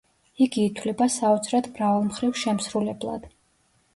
იგი ითვლება „საოცრად მრავალმხრივ შემსრულებლად“.